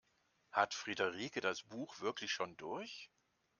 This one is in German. Hat Friederike das Buch wirklich schon durch?